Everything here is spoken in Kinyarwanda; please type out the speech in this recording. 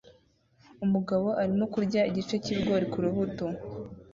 Umugabo arimo kurya igice cyibigori kurubuto